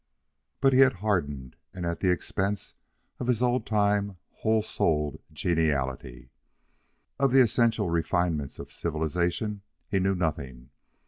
But he had hardened, and at the expense of his old time, whole souled geniality. Of the essential refinements of civilization he knew nothing.